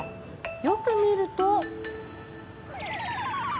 よく見ると。